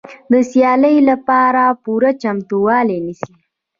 د سیالۍ لپاره پوره چمتووالی نیسي.